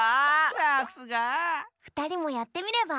さすが！ふたりもやってみれば？